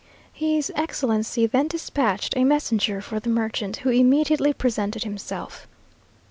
His Excellency then despatched a messenger for the merchant, who immediately presented himself.